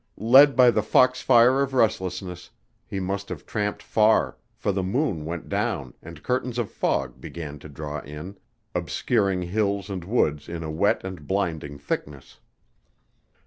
Led by the fox fire of restlessness, he must have tramped far, for the moon went down and curtains of fog began to draw in, obscuring hills and woods in a wet and blinding thickness.